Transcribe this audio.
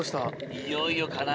いよいよかな。